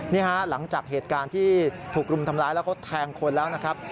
หลังจากเหตุการณ์ที่ถูกรุมทำร้ายแล้วเขาแทงคนแล้วนะครับ